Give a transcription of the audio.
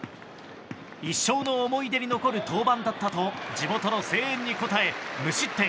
一生の思い出に残る登板だったと地元の声援に応え無失点。